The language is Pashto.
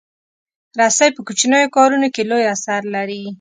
رسۍ په کوچنیو کارونو کې لوی اثر لري.